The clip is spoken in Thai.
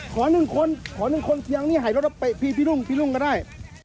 ขอหนึ่งคนเปียงที่ด้านนี้ให้รถแล้วลูกก็ได้